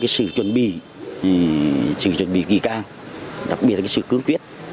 sự chuẩn bị sự chuẩn bị kỳ cao đặc biệt là sự cương quyết